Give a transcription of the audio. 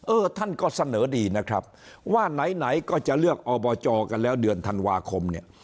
ท่านก็เสนอดีนะครับว่าไหนไหนก็จะเลือกอบจกันแล้วเดือนธันวาคมเนี่ย